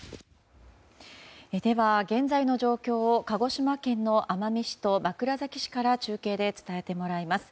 では、現在の状況を鹿児島県の奄美市と枕崎市から中継で伝えてもらいます。